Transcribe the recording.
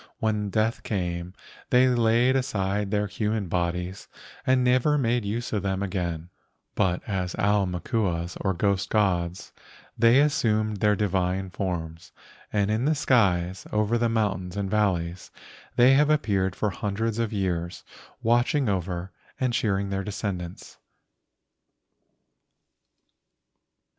When death came they laid aside their human bodies and never made use of them again—but as au THE MAID OF THE GOLDEN CLOUD 151 makuas, or ghost gods, they assumed their divine forms, and in the skies, over the mountains and valleys, they have appeared for hundreds of years watching over and cheering their descend¬ ants.